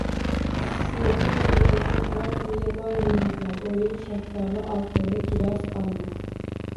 Serpusht etuvchi karotinga boy ne’matlar: o‘rik, shaftoli, olxo‘ri, gilos, olma.